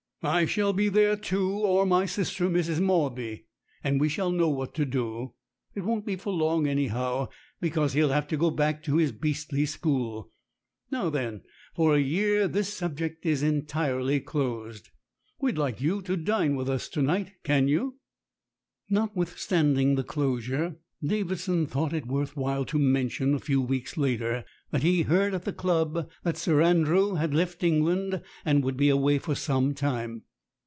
"I shall be there too or my sister, Mrs. Mawby and we shall know what to do. It won't be for long anyhow, because he'll have to go back to his beastly school. Now then, for a year this subject is entirely THE MARRIAGE OF MIRANDA 45 closed. We'd like you to dine with us to night. Can you?" Notwithstanding the closure, Davidson thought it worth while to mention a few weeks later, that he heard at the club that Sir Andrew had left England, and would be away for some time.